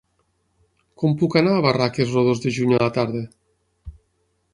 Com puc anar a Barraques el dos de juny a la tarda?